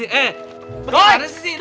itu kayak gimana sih